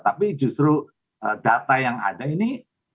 tapi justru data yang ada ini